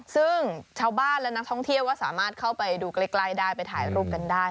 ซึ่งชาวบ้านและนักท่องเที่ยวก็สามารถเข้าไปดูใกล้ได้ไปถ่ายรูปกันได้